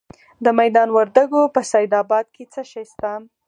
د میدان وردګو په سید اباد کې څه شی شته؟